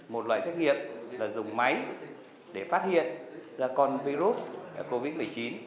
một loại xét nghiệm là dùng máy để phát hiện ra con virus covid một mươi chín